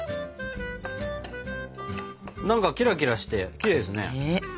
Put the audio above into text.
何かキラキラしてきれいですね。